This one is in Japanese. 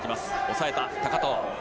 抑えた高藤。